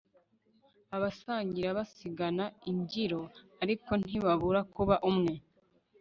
abasangira basigana imbyiro ariko ntibabura kuba umwe